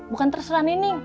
bukan terserah nining